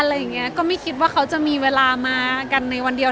อะไรอย่างเงี้ยก็ไม่คิดว่าเขาจะมีเวลามากันในวันเดียว